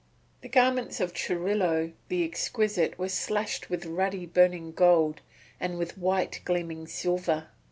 The garments of Churilo the Exquisite were slashed with ruddy burning gold and with white gleaming silver.